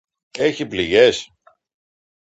Έχει πληγές;